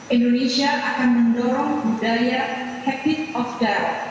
indonesia akan mendorong budaya habit of gur